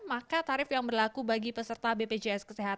maka tarif yang berlaku bagi peserta bpjs kesehatan